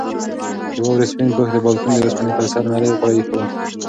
د واورې سپین پوښ د بالکن د اوسپنې پر سر نرۍ غاړه ایښې وه.